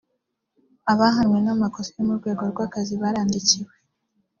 abahamwe n’amakosa yo mu rwego rw’akazi barandikiwe